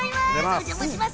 お邪魔します。